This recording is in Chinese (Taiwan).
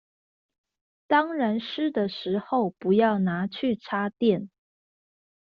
當然濕的時候不要拿去插電